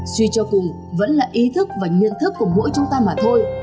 suy cho cùng vẫn là ý thức và nhận thức của mỗi chúng ta mà thôi